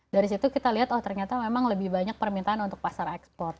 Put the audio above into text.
dari situ kita lihat oh ternyata memang lebih banyak permintaan untuk pasar ekspor